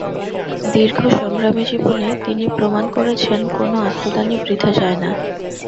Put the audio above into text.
দীর্ঘ সংগ্রামী জীবনে তিনি প্রমাণ করেছেন, কোনো আত্মদানই বৃথা যায় না।